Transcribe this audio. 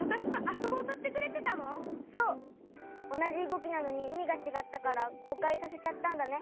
おなじうごきなのにいみがちがったからごかいさせちゃったんだね。